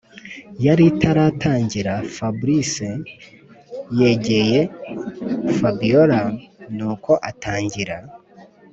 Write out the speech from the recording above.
yaritaratangira fabric yegeye fabiora nuko atangira